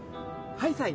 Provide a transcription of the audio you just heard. ハイサイ。